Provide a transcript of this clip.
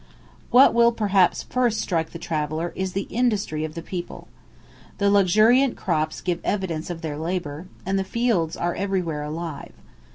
What will perhaps first strike the traveller is the industry of the people. The luxuriant crops give evidence of their labour, and the fields are everywhere alive.